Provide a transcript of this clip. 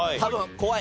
怖い。